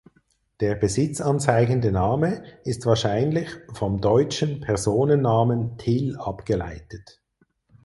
Der besitzanzeigende Name ist wahrscheinlich vom deutschen Personennamen Til abgeleitet.